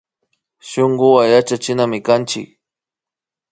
Shunkuwan yachachinami kanchik